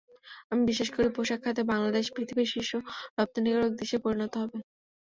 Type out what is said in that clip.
আমি বিশ্বাস করি, পোশাক খাতে বাংলাদেশ পৃথিবীর শীর্ষ রপ্তানিকারক দেশে পরিণত হবে।